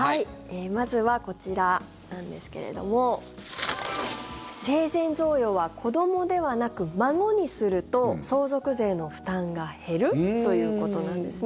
まずはこちらなんですけれども生前贈与は子どもではなく孫にすると相続税の負担が減るということなんですね。